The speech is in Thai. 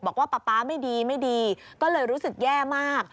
บอกว่าป๊าไม่ดีก็เลยรู้สึกแย่มาก